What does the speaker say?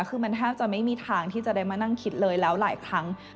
คือมันแทบจะไม่มีทางที่จะได้มานั่งคิดเลยแล้วหลายครั้ง